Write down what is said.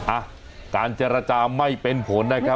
อ่ะการเจรจาไม่เป็นผลนะครับ